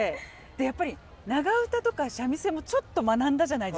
やっぱり長唄とか三味線もちょっと学んだじゃないですか。